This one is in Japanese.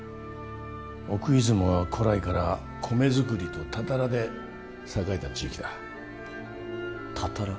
奥出雲は古来から米作りとたたらで栄えた地域だたたら？